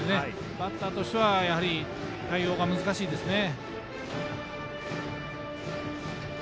バッターとしてはやはり対応が難しいですね。